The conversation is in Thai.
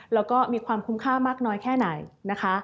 แล้วก็มีความคุ้มค่ามากน้อยแค่ไหนนะคะ